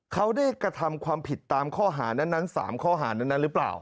เขาได้กระทำความผิดตามข้อหานั้น๓ข้อหานั้นหรือเปล่า